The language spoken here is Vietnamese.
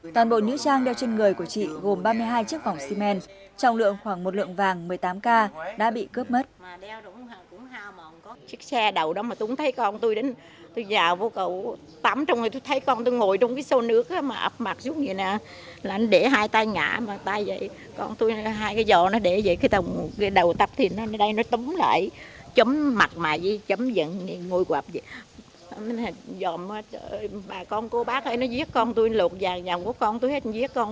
toàn bộ nữ trang đeo trên người của chị gồm ba mươi hai chiếc phòng xí men trọng lượng khoảng một lượng vàng một mươi tám k đã bị cướp mất